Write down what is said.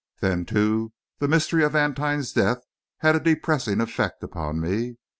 Then, too, the mystery of Vantine's death had a depressing effect upon me.